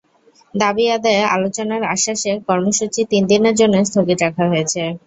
দাবি আদায়ে আলোচনার আশ্বাসে কর্মসূচি তিন দিনের জন্য স্থগিত রাখা হয়েছে।